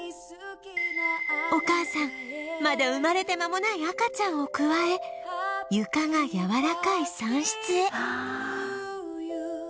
お母さんまだ生まれてまもない赤ちゃんをくわえ床がやわらかい産室へ